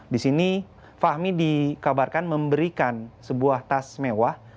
disini fahmi dikabarkan memberikan sebuah tas mewah